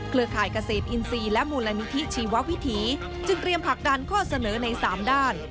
ข่ายเกษตรอินทรีย์และมูลนิธิชีววิถีจึงเตรียมผลักดันข้อเสนอใน๓ด้าน